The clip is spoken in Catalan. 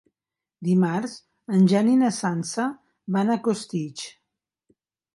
Dimarts en Jan i na Sança van a Costitx.